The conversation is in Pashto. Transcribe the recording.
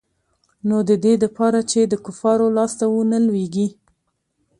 نو د دې د پاره چې د کفارو لاس ته ونه لوېږي.